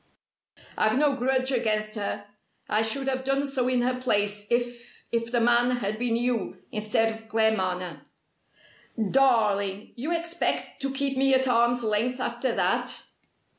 "I've no grudge against her! I should have done so in her place, if if the man had been you, instead of Claremanagh." "Darling! You expect to keep me at arms' length after that?"